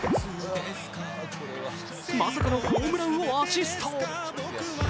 まさかのホームランをアシスト。